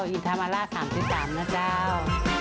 อิทธามาร่า๓๓นะเจ้า